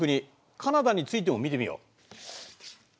カナダについても見てみよう。